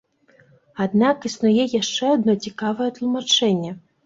Аднак існуе яшчэ адно цікавае тлумачэнне.